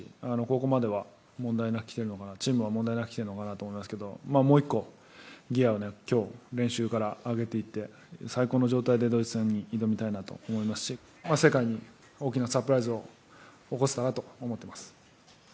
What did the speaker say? ここまではチームは問題なくきているのかなと思いますけどもう１個ギヤを今日、練習から上げていって最高の状態でドイツ戦に挑みたいなと思いますし世界に大きなサプライズを起こすかなと思っています。